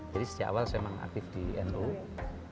jadi sejak awal saya memang aktif di osis